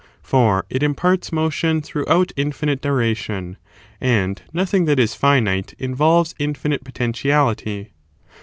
^ For it imparts motion throughout infinite duration ; and nothing that is finite in volves infinite potentiality.